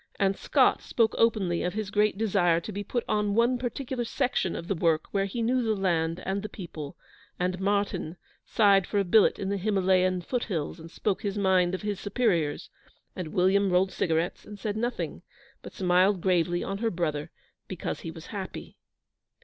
And Scott spoke openly of his great desire to be put on one particular section of the work where he knew the land and the people, and Martyn sighed for a billet in the Himalayan foot hills, and spoke his mind of his superiors, and William rolled cigarettes and said nothing, but smiled gravely on her brother because he was happy.